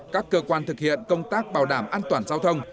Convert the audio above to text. các cơ quan thực hiện công tác bảo đảm an toàn giao thông